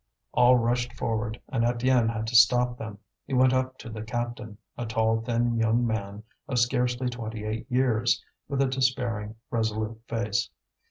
All rushed forward, and Étienne had to stop them. He went up to the captain, a tall thin young man of scarcely twenty eight years, with a despairing, resolute face.